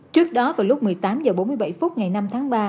trước đó vào lúc một mươi tám h bốn mươi bảy phút ngày năm tháng ba